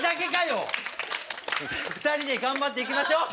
２人で頑張っていきましょう！